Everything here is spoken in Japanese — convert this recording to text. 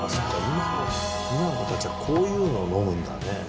今の子たちはこういうのを飲むんだね。